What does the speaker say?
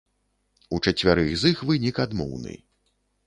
У чацвярых з іх вынік адмоўны.